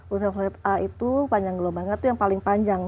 ultraviolet a itu panjang gelombangnya itu yang paling panjang